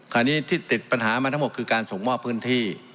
คราวนี้ที่ติดปัญหามาทั้งหมดคือการส่งมอบพื้นที่